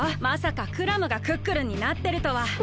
まさかクラムがクックルンになってるとは！